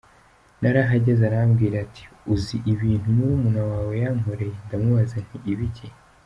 Narahageze arambwira ati ‘uzi ibintu murumuna wawe yankoreye’ ndamubaza nti ni ibiki ?